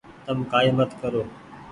تم ڪآئي مت ڪرو ۔